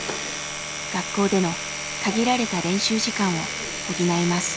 学校での限られた練習時間を補います。